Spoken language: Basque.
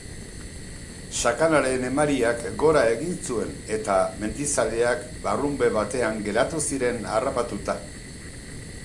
Sakanaren emariak gora egin zuen eta mendizaleak barrunbe batean geratu ziren harrapatuta.